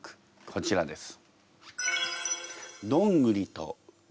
こちらです。